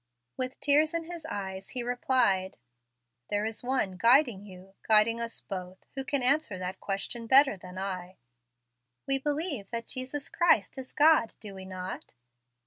With tears in his eyes, he replied, "There is One guiding you guiding us both who can answer that question better than I." "We believe that Jesus Christ is God, do we not?"